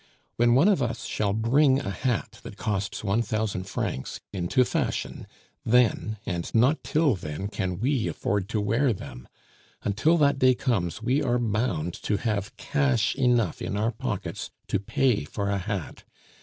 When one of us shall bring a hat that costs one thousand francs into fashion, then, and not till then, can we afford to wear them; until that day comes we are bound to have cash enough in our pockets to pay for a hat.